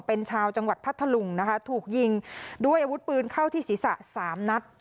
เป็นชาวจังหวัดพัทธลุงนะคะถูกยิงด้วยอาวุธปืนเข้าที่ศีรษะสามนัด